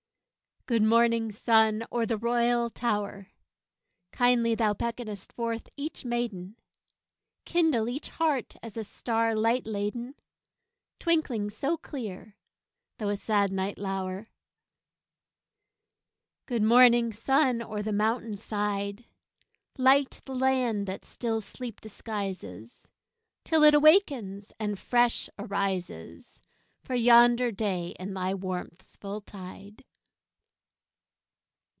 Good morning, sun, o'er the royal tower! Kindly thou beckonest forth each maiden; Kindle each heart as a star light laden, Twinkling so clear, though a sad night lower! Good morning, sun, o'er the mountain side! Light the land that still sleep disguises Till it awakens and fresh arises For yonder day in thy warmth's full tide!